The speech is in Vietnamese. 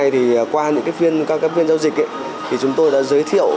thì qua những phiên giao dịch thì chúng tôi đã giới thiệu